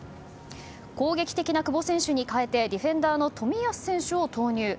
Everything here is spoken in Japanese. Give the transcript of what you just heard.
攻撃的な久保選手に代えてディフェンダーの冨安選手を投入。